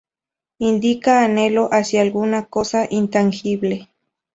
Indica anhelo hacia alguna cosa intangible.